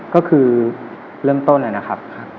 ก็คือเริ่มต้นนะครับ